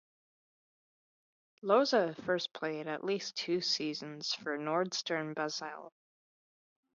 Losa first played at least two seasons for Nordstern Basel.